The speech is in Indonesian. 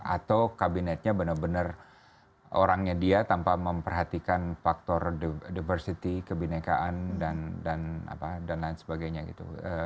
atau kabinetnya benar benar orangnya dia tanpa memperhatikan faktor diversity kebinekaan dan lain sebagainya gitu